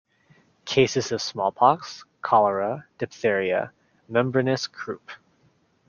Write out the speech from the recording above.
Cases of smallpox, cholera, diphtheria, membranous croup.